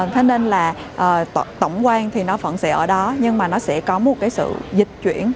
thế nên là tổng quan thì nó vẫn sẽ ở đó nhưng mà nó sẽ có một cái sự dịch chuyển